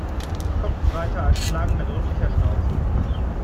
Kopf breiter als lang mit rundlicher Schnauze.